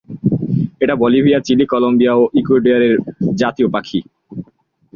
এটা Bolivia, Chile, Colombia ও ইকুয়েডরের জাতীয় পাখি।